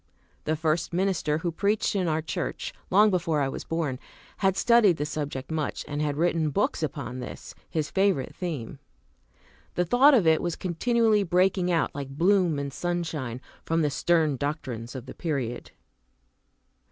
The first minister who preached in our church, long before I was born, had studied the subject much, and had written books upon this, his favorite theme. The thought of it was continually breaking out, like bloom and sunshine, from the stern doctrines of the period.